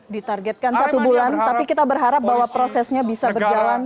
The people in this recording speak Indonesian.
ditargetkan satu bulan tapi kita berharap bahwa prosesnya bisa berjalan